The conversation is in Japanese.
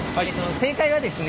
正解はですね